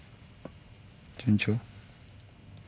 順調？